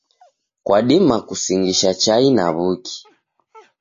Kwadima kusingisha chai na w'uki.